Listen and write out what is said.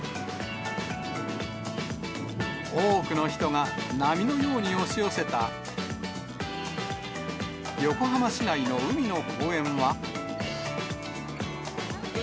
多くの人が波のように押し寄せた、横浜市内の海の公園は。